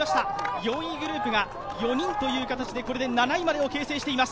４位グループが４人という形でこれで７位までを形成しています。